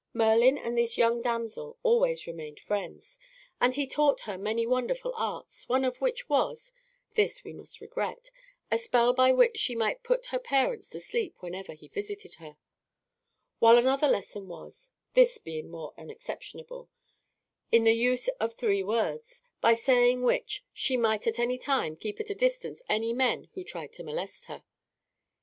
Merlin and this young damsel always remained friends, and he taught her many wonderful arts, one of which was (this we must regret) a spell by which she might put her parents to sleep whenever he visited her; while another lesson was (this being more unexceptionable) in the use of three words, by saying which she might at any time keep at a distance any men who tried to molest her.